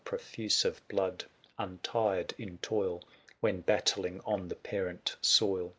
Profuse of blood, un tired in toil. When battling on the parent soil.